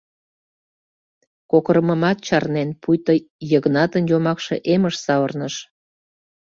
Кокырымымат чарнен, пуйто Йыгнатын йомакше эмыш савырныш.